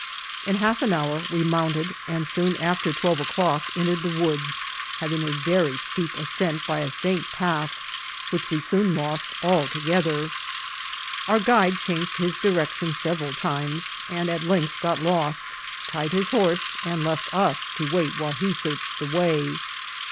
In half an houx we mount* ed, and soon after twelve o'clock entered the woods, having a very steep ascent by a faint path, which we soon lost altogether. Our guide changed lus directi<Mi several times, and at length got lost, tied his horse, and left us to wait while he searched the way.